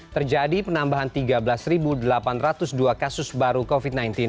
terjadi penambahan tiga belas delapan ratus dua kasus baru covid sembilan belas